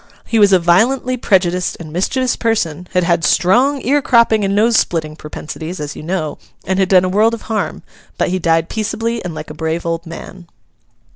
He was a violently prejudiced and mischievous person; had had strong ear cropping and nose splitting propensities, as you know; and had done a world of harm. But he died peaceably, and like a brave old man.